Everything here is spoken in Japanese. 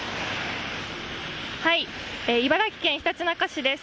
茨城県ひたちなか市です。